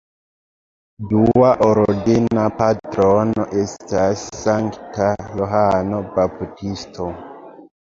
Dua ordena patrono estas Sankta Johano Baptisto.